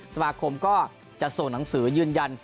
สมาคมก็จะส่งหนังสือยืนยัน